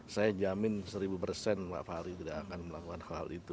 saya jamin seribu persen mbak fahri tidak akan melakukan hal hal itu